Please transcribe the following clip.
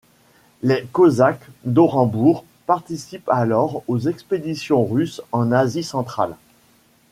Les cosaques d’Orenbourg participent alors aux expéditions russes en Asie centrale.